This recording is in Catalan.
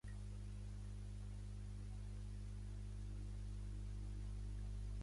amb un màxim el dia disset, amb tres meteors per hora